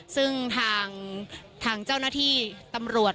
ซึ่งทางเจ้าหน้าที่ตำรวจ